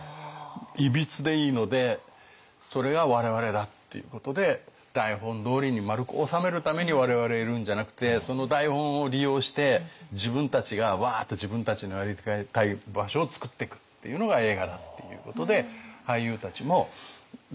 いびつでいいのでそれが我々だっていうことで台本どおりに丸く収めるために我々いるんじゃなくてその台本を利用して自分たちがワーッて自分たちのやりたい場所を作ってくっていうのが映画だっていうことで俳優たちもどんどんはじけてってくれる。